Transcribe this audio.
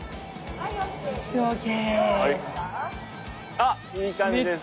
あっいい感じです。